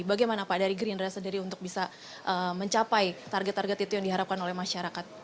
bagaimana pak dari gerindra sendiri untuk bisa mencapai target target itu yang diharapkan oleh masyarakat